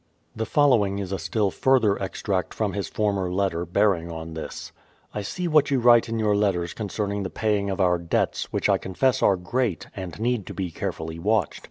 The following is a still further extract from his former letter, bearing on this : I see what you write in your letters concerning the paying of our debts, which I confess are great, and need to be carefully watched.